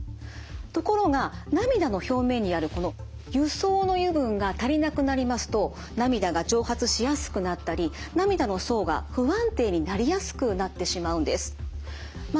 ところが涙の表面にあるこの油層の油分が足りなくなりますと涙が蒸発しやすくなったり涙の層が不安定になりやすくなってしまうんです。